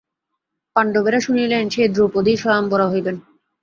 পাণ্ডবেরা শুনিলেন, সেই দ্রৌপদীই স্বয়ম্বরা হইবেন।